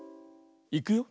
いくよ。